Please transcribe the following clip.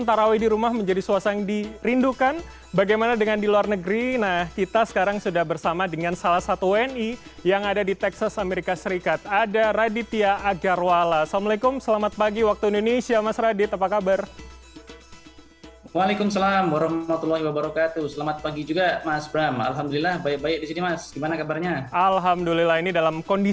sudah bisa beribadah normal